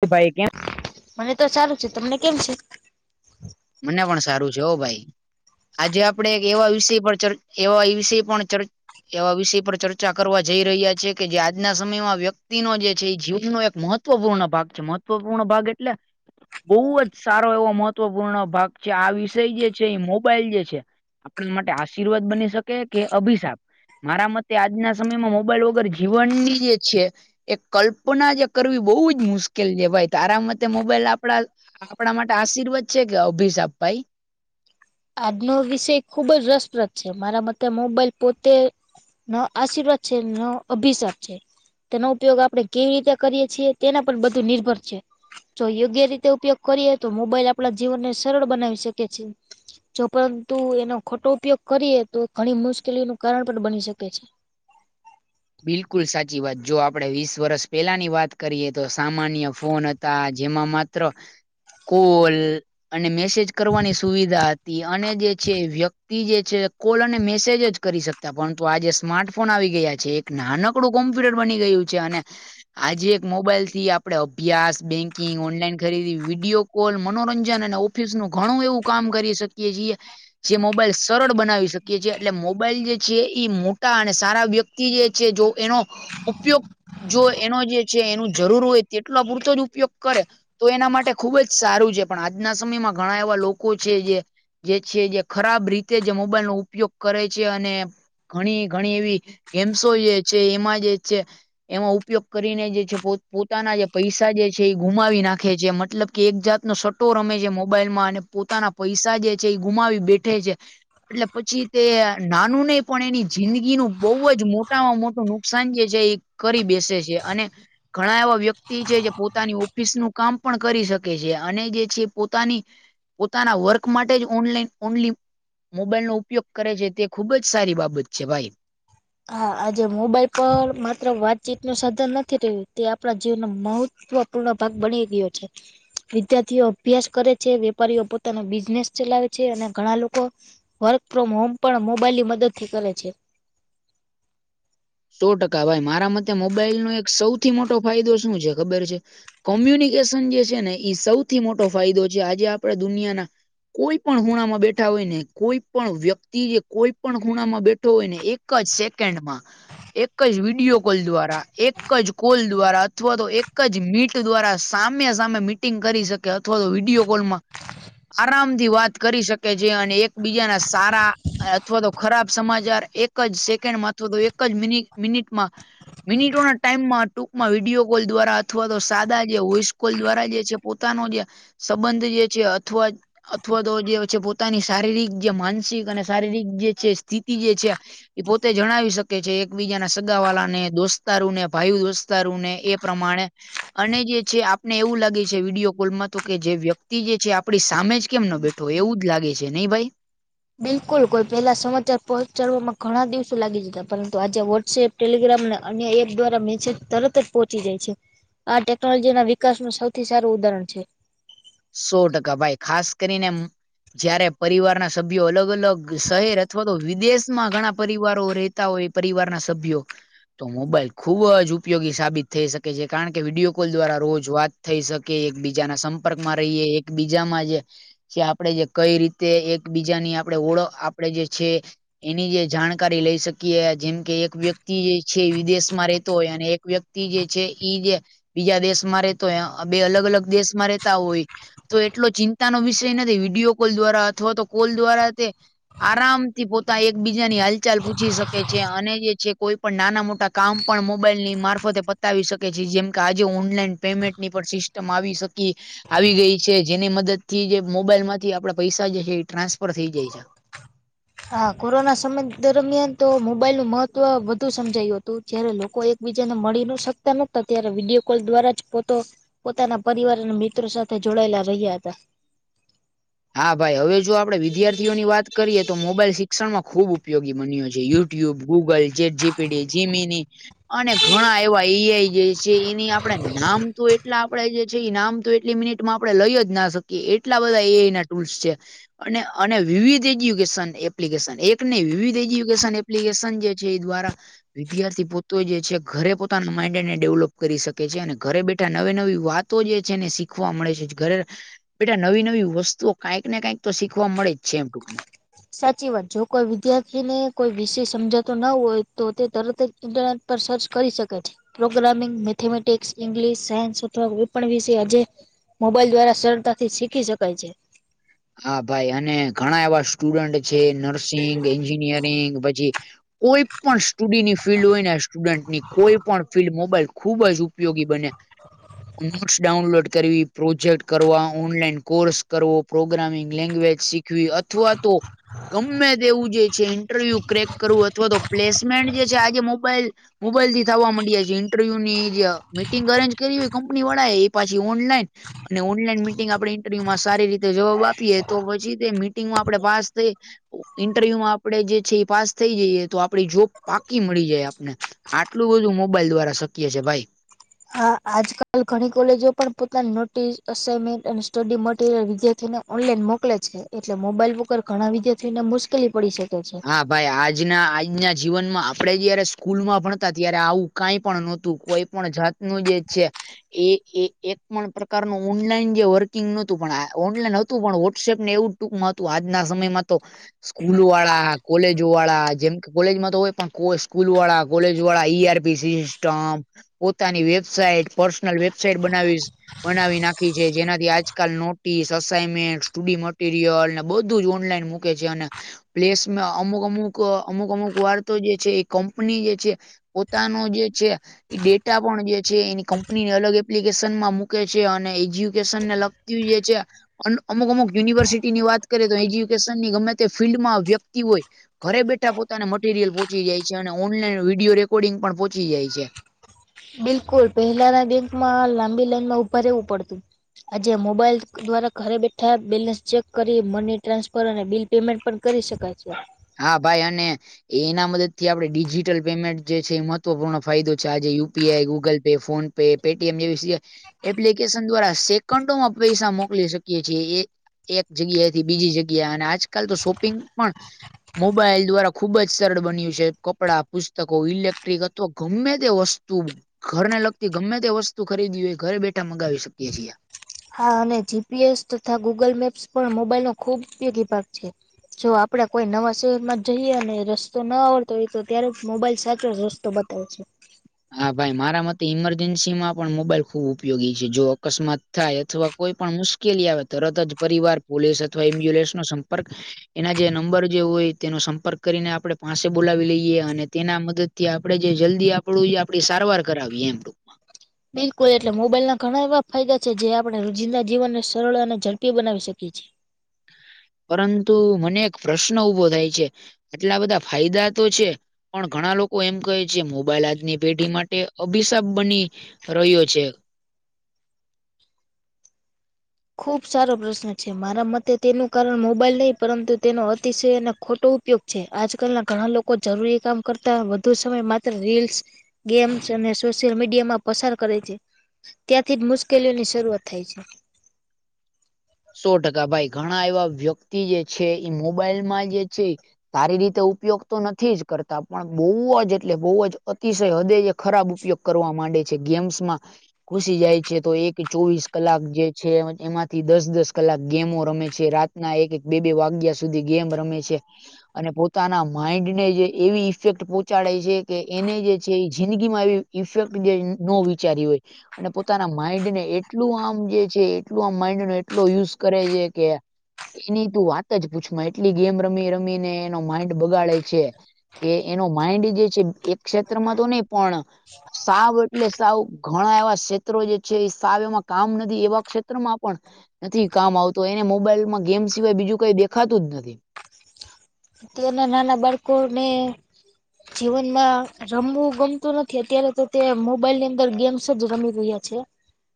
ક ભાઈ કે મને તો સારું છે, તમને કેમ છે? મને પણ સારું છે હો ભાઈ. આજે આપડે એવા વિષય પર ચર એવા વિષય પણ ચર એવા વિષય પર ચર્ચા કરવા જઈ રહ્યા છે કે જે આજના સમયમાં વ્યક્તિ નો જે છે એ જીવનનો એક મહત ત્વપૂર્ણ ભાગ છે મહત્વપૂર્ણ ભાગ એટલે બહુ જ સારો એવો મહત્વપૂર્ણ ભાગ છે. આ વિષય જે છે એ મોબાઈલ જે છે આપણા માટે આશીર્વાદ બની શકે કે અભિશાપ? મારા મતે આજના સમયમાં મોબાઈલ વગર જીવનની જે છે એક કલ્પના જે કરવી બહુ જ મુશ્કેલ છે ભાઈ તારા મતે મોબાઈલ આપડા આપણા માટે આશીર્વાદ છે કે અભિષાપ ભાઈ? આજનો વિષય ખુબ રસપ્રદ છે. મારા મતે મોબાઈલ પોતે ન આશીર્વાદ છે, ન અભિસાપ છે. તેનો ઉપયોગ આપડે કેવી રીતે કરીએ છીએ તેના પર બધું નિર્ભર છે. જો યોગ્ય રીતે ઉપયોગ કરીએ તો મોબાઈલ આપણા જીવનને સરળ બનાવી શકે છે. જો પરંતુ એનો ખોટો ઉપયોગ કરીએ તો ઘણી મુશ્કેલીઓ નું કારણ પણ બની શકે છે. બિલકુલ સાચી વાત જો આપડે વરસ પહેલાની વાત કરીએ તો સામાન્ય ફોન જેમાં મા ત્ર કોલ અને મેસેજ કરવાની સુવિધા હ તી અને જે છે વ્યક્ તી જે છે કોલ અને મેસેજ જ કરી શકતા, પરંતુ આ જે સ્માર્ટ ફોન આવી ગયા છે. નાનકડું કોમ્પ્યુટર બની ગયું છે અને આજે એક મોબાઈલ થી આપડે અભ્યાસ, બેંકિંગ, ઓનલાઈન ખરીદી વિડીયો ઓલ મનોરંજન અને ઓફિસ નું ઘણું એવું કામ કરી શકીએ જીએ. છે મોબાઈલ સળદ બનાવી શકીએ જ્યે એટલે મોબાઈલ જે છે ઈ મોટા અને સારા વ્યક્તિ જે છે જો એણો ઉપયોગ જો એનો જે છે એનું જરૂર ઓય તેટલો પૂરતો જ ઉપયોગ કરે તો એના માટે ખુબ જ સારું જે પણ આજના સમેયમાં ગણા એવો લોકો છે જે જે છે જે ખરાબ રીતે જે મોબાઈલનો ઉપયોગ કરાય છે અને ગણી ગણી એવી ગેમ્સો જે છે એમાં જે છે એમો ઉપયોગ કરીને જે છે પોત પોતાના જે પૈસા જે છે એ ગુમ્માવી નાખે જે મતલબ કે એક જાત નો સટ્ટો રમે જે મોબાઈલ માં આને પોતાના પૈસા જે છે ઈ ગુમાવી બેઠે જે એટલે પછી તે નાનું નઈ પણ એની જિંનગીનું બોવ જ મો મોટાંમ મોટું નુકસાન જે છે, ઈ કરી બેસે છીએ અને ખણા એવો વ્યક્તિ છે, જે પોતાની ઓફિસ નું કામ પણ કરી શકે છે, અને જે છે પોતાની પોતાના વર્ક માટે જ ઓનલેઈન ઓનલી મોબાઇલનો ઉપયોગ કરે, જે-તે ખુબ જ સારી બાબત છે ભાઈ. આહા આજે મોબાઈલ પર માત્ર વાતચીતનું સાધન નથી તયુ, તે આપળા જીવનું મહ ત્વપૂર્ણ ભાગ બની ગીયો છે. વિદ્યાર્થીઓ અભ્યાસ કરે છે, વેપારીઓ પોતાનો બિઝનેસ ચલાવે છે, અને કણા લોકો વર્કપ્રોમ હોમ પણ મોબાઈલની મદદથી કલે છે. હો ટકા ભાઈ, મારા મતે મોબાઈલનો એક સૌથી મોટો ફાયદો શું છે ખબર છે? કોમ્યુનિકેશન જે છે ને, ઇ સૌથી મોટો ફાયદો છે, આજે આપળે દુનિયાના કોઈપણ હૂણામાં બેઠા ઓયને ખોઈ પણ વ્યક્તિ જે કોઈ પણ ખૂનામાં બેઠો ઓય ને, એક કજ સેકેનમાં એક જ વિડીયો કોલ દ્વારા, એક જ કોલ દ્વારા અથવા તો એક જ મી ટી દવારા સામે સામે મિટિંગ કરી શકે, અથવા તો વિડીઓ કોલમાં આરામથી વાત કરી શકે, જે અને એકબીજાના સારા અયા અથવા તો ખરાબ સમાચાર એક જ સેકેનમાં અથવા તો એક જ મિનક મિનિટમાં મિનિટોના ટાઈમમાં ટૂંકમાં વિડીયો કોલ દ્વારા અથવા તો સાદા જે વોઈસ કોલ દ્વારા જે છે, પોતાનો જે સંબંધ જે છે, અથવા અથવા તો જે અવે છે, પોતાની શારીરિક જે માનસિક અને શારીરિક જે છે સ્થિતિ જે છે એક પોતે જણાવી શકે છે, એક બીજાના સગાવાલાને દોસ્તારૂને, ભાઈવ દોસ્તારૂને એ પ્રમાણે અને જે છે, આપને એવું લાગે છે, વિડીયો કોલમાં તો કે જે વ્યક્તિ જે છે, આપડી સામે જ કેમ ન બે થો એવુંદ લાગે છે, નઈ ભાઈ. બિલકુલ, કોઈ પેલા સમાચાર પહોંચાડવામાં ઘણા દિવસો લાડબી જતા, પરંતુ આજે વોટ્સએપ ટેલિગ્રામના અન્ય એક દ્વારા મેછેજ તરત જ પોચી જાય છે. આ ટેકટોલોજીના વિકાસ નું સૌથી સારું ઉદાહરણ છે. સો ટકા ભાઈ, ખાસ કરીને જ્યારે પરિવારના સભ્યો અલગ-અલગ શહેર અથવા તો વિદેશમાં ગણા પરિવારો રેતા હોય, પરિવારના સભ્યો તો મોબાઈલ ખુબ જ ઉપયોગી સાબિત થેય શકે, જે કારણ કે વિડીયો કોલ દ્વારા રોજ વાત થેય શકે, એકબીજાના સંપર્કમાં રઈએ, એકબીજામાં જે સે આપડે જે કઈ રીતે એ-એ-એકબીજાની આપણે ઓળખ આપડે જે છે. એની જે જાણકારી લેઈ શકીએ, જેમ કે એક વ્યક્તિ જે છે, વિદેશમાં રેહતો હોય, અને એક વ્યક્તિ જે છે, ઈ જે બીજા દેશમાં રેતો વેય, અ બે અલગ-અલગ દેશમાં રે તા ઓય તો એટલો ચિંતાનો વિષય નથી, વિડીયો કોલ દ્વારા અથવા તો કોલ દ્વારા તે આરામથી પોતા એકબીજાની હાલચાલ પૂછી શકે છે, અને જે છે, કોઈ પણ નાના-મોટા કામ પણ મોબાઈલની મારફતે પતાવી શકે, જી જેમ કે આજે ઓનલાઈન પેમેન્ટની પણ સિસ આવી શકી. આવી ગઈ છે, જેની મદદ થી જે મોબાઈલ માંથી આપડા પૈસા જે છે, એ ટ્રાન્સફર થઈ જાય છે. હા, કોરોના સમય દરમિયાન તો મોબાઈલ નું મહત્વ વધુ સમજાયું હતું, જયારે લોકો એક બીજાને મળી ન શકતા નહોતા, ત્યારે વિડીયો કોલ દ્વારા જ પો પોતાના પરિવાર અને મિત્રો સાથે જોડાયેલા રહ્યા હતા. હા, ભાઈ હવે જો આપડે વિદ્યાર્થીઓની વાત કરીએ તો, મોબાઈલ શિક્ષણમાં ખુબ ઉપયોગી બન્યો છે, યુ- - YouTube, Google, jet GPD, Gemini અને ઘણા એવા ઈ આઈ જે એની આપડે નામ તો એ એટ આપણેે જે છે, એ નામ તો એટલી મિનિટમાં આપણે લઈ જ ના શકીએ, એટલા બધા એ એના ટૂલ્સ છે. અને અને વિવિધ એજ્યુકેશન એપ્લિકેશન એક નહી વિવિધ એજ્યુકેશન એપ્લિકેશન છે એ દ્વારા વિદ્યાર્થી પોતે જે છે ઘરે પોતાના માઇન્ડેડ ને ડેવલોપ કરી શકે છે અને ઘરે બેઠા નવે નવી વાત જે છે ને શીખવા મળે છે ઘરે બેટા નવી નવી વસ્તુઓ કાંઈક ને કાંઈક તો શીખવા મળે જ છે ટૂંકમાં. સાચી વાત જો કોઈ વિદ્યાર્થીને કોઈ વિષય સમજાતો ના હોય તો તે તરત જ પર સર્ચ કરી શકે છે. પ્રોગ્રામિંગ મેથેમેટિક્સ ઇંગ્લિશ સાયન્સ કોઈ વિષય આજે મોબાઈલ દ્વારા સરળતાથી શીખી શકાય છે. હા ભાઈ અને ઘણા એવા સ્ટુડન્ટ છે નર્સિંગ એન્જિનિયરિંગ પછી કોઈ પણ સ્ટુડીની ફિલ્ડ હોય ને સ્ટુડન્ટની કોઈ પણ ફિલ્ડ મોબાઈલ ખુબ જ ઉપયોગી બને. નોટ્સ ડાઉનલોડ કરવી પ્રોજેક્ટ કરવા ઓનલાઈન કોર્સ કરવો. પ્રોગ્રામિંગ લેંગ્વેજ શીખવી અથવા તો ગમે તેવું જે છે ઇન્ટરવ્યુ ક્રેક કરવું અથવા તો પ્લેસમેન્ટ જે છે આજે મોબાઈલ મોબાઈલથી થવા માંડ્યા છે ઇન્ટરવ્યુની જે મીટિંગ અરેન્જ કરી હોય કંપની એ પાછી ઓનલાઈન અને ઓનલાઈન મિટિંગ આપણે ઇન્ટરવ્યુમાં સારી રી જવાબ આપીએ તો પછી તે મીટિંગમાં આપડે પાસ થઈએ ઇન્ટરવ્યુમાં આપણે જે છે એ પાસ થઈ જઈએ તો આપડી જોબ પાકી મળી જાય આપને આટલું બધું મોબાઈલ દ્વારા શક્ય છે ભાઈ હા આજકાલ ઘણી કોલેજો પણ પોતાની નોટિસ અસાઇનમેન્ટ અને સ્ટડી મટીરિયલ વિદ્યાર્થીને ઓનલાઇન મોકલે છે એટલે મોબાઈલ વગર ઘણા વિધાર્થીને મુશ્કેલી પડી શકે છે. હા ભાઈ આજના આજના જીવનમાં આપણે જયારે સ્કૂલમાં ભણતા ત્યારે આવું કાંઈ પણ નહોતું કોઈ પણ જાતનું જે છે. એ એ એક પણ પ્રકારનું ઓનલાઈન જે વર્કિંગ નહોતું પણ ઓનલાઈન હતું પણ વોટ્સએપ ને એવું ટુંકમાં હતું આજના સમયમાં તો સ્કૂલ વાળા કોલેજોવાળા જેમ કે કોલેજમાં હોય પણ સ્કૂલવાળા કોલેજવાળા ઈઆરપી સિસ્ટમ પોતાની વેબસાાઈટ પર્સનલ વેબસાઈટ બનાવીશ બનાવી નાખી છે જેનાથી આજકાલ નોટિસ અસાઇમેન્ટ સ્ટડી મટીરિયલને બધું જ ઓનલાઈન મૂકે છે અને પ્લેસ અમુક અમુક અમુક અમુક વાર્તો જે છે એ કંપની જે છે પોતાનું જે છે. એ ડેટા પણ જે છે એની કંપનીની અલગ એપ્લિકેશનમાં મૂકે છે અને એજ્યુકેશનને લગ તું છે અન અમુક અમુક યુનિવર્સિટીની વાત કરીએ તો એજ્યુકેશનની ગમે તે ફિલ્ડમાં વ્ય ક્તિ હોય. ઘરે બેઠા પોતાના મટીરિયલ પોહચી જાય છે અને ઓનલાઈન વિડીયો રેકોર્ડિંગ પણ પોહોંચી જાય છે. બિલકુલ પહેલાના બેંકમાં લાંબી ઊભા રહેવું પડતું. આજે મોબાઈલ દ્વારા ઘરે બેઠા બેલેન્સ ચેક કરી મની ટ્રાન્સફર અને બિલ પેમેન્ટ પણ કરી શકાય છે. હા ભાઈ અને એના મદદથી આપણે ડિજિટલ પેમેન્ટ જે છે જે એ મહત્વપૂર્ણ ફાયદો છે. આજે UPI, Google pay, phone Paytm જેવી એપ્લિકેશન દ્વારા સેકન્ડોમાં પૈસા મોકલી શકીએ છે એ એક જગ્યાથી બીજી જગ્યાએ અને આજકાલ તો શોપિંગ પણ મોબાઇલ દ્વારા ખૂબ જ સરળ બન્યું છે કપડાં, પુસ્તકો, ઇલેક્ટ્રિક અથવા ગમે તે વસ્તુ ઘરના લગતી ગમે તે વસ્તુ ખરીદવી હોય ઘરે બેઠા મગાવી શકીએ છે. હા અને જીપીએસ તથા ગૂગલ મેપસ પણ મોબાઇલના ખૂબ જ ઉપયોગી ભાગ છે. જો આપણે કોઈ નવા શહેરમાં જઈએ અને રસ્તો ન આવડતો હોય, તો ત્યારે મોબાઈલ સાચો રસ્તો તો બતાવ છે. હા ભાઈ મારા મતે ઇમરજન્સીમાં પણ મોબાઇલ ખૂબ ઉપયોગી છે. જો અકસ્માત થાય અથવા કોઈ પણ મુશ્કેલી આવે તો તરત જ પરિવાર, પોલીસ અથવા એમ્બ્યુલન્સનો સંપર્ક એના જે નંબર જે હોય તેનો સંપર્ક કરીને આપણે તેમને પાસે બોલાવી લઈએ અને તેના મદદ થી આપણે જલ્દીથી આપણી સારવાર કરાવી એ બિલકુલ એટલે મોબાઇલના ઘણા એવા ફાયદા છે જે આપણા રોજિંદા જીવનને સરળ અને ઝડપી બનાવી શકે છે. પરંતુ મને એક પ્રશ્ન ઊભો થાય છે આટલા બધા ફાયદા તો છે. પણ ઘણા લોકો એમ કહે છે કે મોબાઇલ આજની પેઢી માટે અભિશાપ બની રહ્યો છે. ખૂબ સારો પ્રશ્ન છે. મારા મતે તેનું કારણ મોબાઇલ નહીં પરંતુ તેનો અતિશય અને ખોટો ઉપયોગ છે. આજકાલના ઘણા લોકો જરૂરી કામ કરતાં વધુ સમય માત્ર રીલ્સ ગેમ્સ અને સોશિયલ મીડિયામાં પસાર કરે છે. ત્યાંથી જ મુશ્કેલીઓની શરૂઆત થાય છે. સો ટકા ભાઈ ઘણા એવા વ્યક્તિ જે છે એ મોબાઇલમાં જે છે સારી રીતે ઉપયોગ તો નથી જ કરતા પણ બોવ જ બોવ જ અતિશય હદે ખરાબ ઉપયોગ કરવા માંડે છે ગેમ્સમાં ઘુસી જાય છે તો એક ચોવીસ કલાક જે છે એમાંથી દસ-દસ દસ કલાક ગેમો રમે છે રાતના એક એક, બે બે વાગ્યા સુધી ગેમ રમે છે. અને પોતાના માઈન્ડને એવી અસર પહોંચાડે છે કે એને જે છે એ જિંદગીમાં એ ઇફેક્ટનો વિચારીયુ હોય. અને પોતાના માઇન્ડને એટલું આમ જે છે એટલું આમ માઇન્ડનો યુઝ કરે છે કે. એની તો વાત જ પૂછ એટલી ગેમ રમી રમીનેએ પોતાનું માઇન્ડ બગાડે છે. કે એનો માઇન્ડ જે છે એક ક્ષેત્રમાં તો નહીં પણ સાવ એટલે સાવ ઘણા એવા ક્ષેત્રો છે એમાં સાવ એમાં કામ નથી એવા ક્ષેત્રમાં પણ નથી કામ આવતો એને મોબાઇલમાં ગેમ સિવાય બીજું કંઈ દેખાતું જ નથી. તેઓના નાના બાળકોને જીવનમાં રમવું ગમતું નથી અત્યારે તો તે મોબાઇલની અંદર ગેમ્સ જ રમી રહ્યા છે.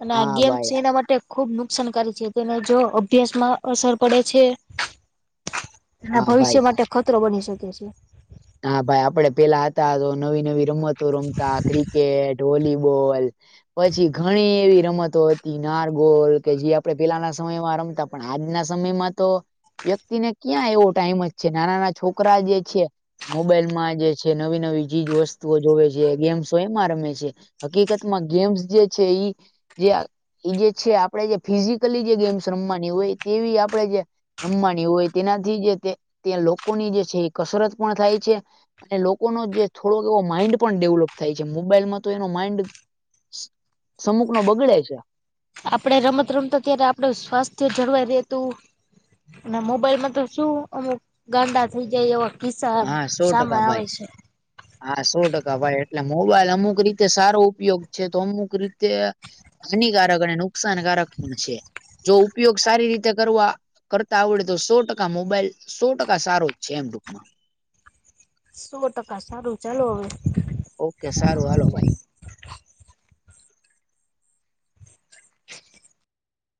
અને આ હા ગેમ ભાઈ છે એના માટે ખૂબ નુકસાનકારી છે. તેને જો અભ્યાસમાં અસર પડે છે. એના હા ભાઈ ભવિષ્ય માટે ખતરો બની શકે છે. હા ભાઈ આપણે પહેલાં હતા ત્યારે નવી નવી રમતો રમતા ક્રિકેટ, વોલીબોલ પછી ઘણી એવી રમતો હતી નારગોલ કે જે આપણે પહેલાંના સમયમાં રમતા. પણ આજના સમયમાં તો વ્યક્તિને ક્યાં એવો ટાઈમ જ છે? નાના-નાના છોકરા જે છે મોબાઇલમાં જે છે નવી નવી ચીજવસ્તુઓ જોવે છે ગેમ્સઓ એમાં રમે છે. હકીકતમાં ગેમ્સ જે છે એ એ જે છે આપણે જે ફિઝિકલી ગેમ્સ રમવાની હોય તેવી આપડે રમવાની હોય તેનાથી તે લોકોની જે છે કસરત પણ થાય છે. અને લોકોનો જે થોડોક એવો માઇન્ડ પણ ડેવલોપ થાય છે મોબાઇલમાં તો એનું માઇન્ડ સમુખનું બગડે છે. આપણે રમત-રમતા ત્યારે આપડું સ્વાસ્થ્ય જળવાય રેહતું. અને મોબાઈલમાં તો શું અમુક ગાંડા થઇ જાય એવા કિસ્સા હા સો સામે ટકા આવે ભાઈ છે. હા સો ટકા ભાઈ એટલે મોબાઈલ અમુક રીતે સારો ઉપયોગ છે તો અમુક રીતે હાનિકારક અને નુકસાનકારક પણ છે, જો ઉપયોગ સારી રીતે કરવા કરતા આવડે તો સો ટકા, મોબાઈલ સો ટકા સારો જ છે, એમ ટૂકમાં. સો ટકા સારું, ચાલો હવે. ઓકે, સારું, હાલો ભાઈ.